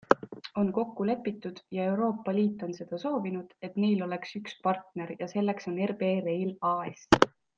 On kokku lepitud ja Euroopa Liit on seda soovinud, et neil oleks üks partner ja selleks on RB Rail AS.